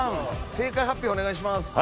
正解発表お願いします。